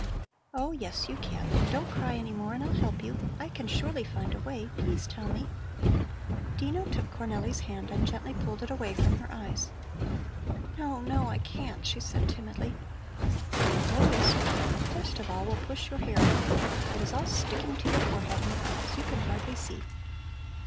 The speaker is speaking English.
"Oh, yes, you can. Don't cry any more and I'll help you. I can surely find a way. Please tell me." Dino took Cornelli's hand and gently pulled it away from her eyes. "No, no, I can't," she said timidly. "Oh, yes, you can. First of all, we'll push your hair away. It is all sticking to your forehead and your eyes; you can hardly see."